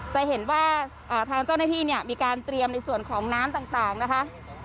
จะเห็นว่าทางเจ้าหน้าที่เนี่ยมีการเตรียมในส่วนของน้ำต่างนะคะ